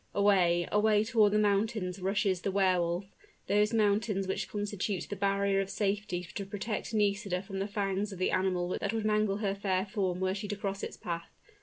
Away away toward the mountains rushes the Wehr Wolf, those mountains which constitute the barrier of safety to protect Nisida from the fangs of the animal that would mangle her fair form were she to cross its path.